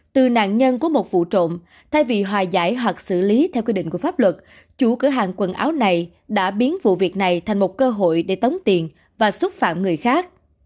từ nạn nhân của một vụ trộm thay vì hòa giải hoặc xử lý theo quy định của pháp luật chủ cửa hàng quần áo này đã biến vụ việc này thành một cơ hội để tống tiền và xúc phạm người khác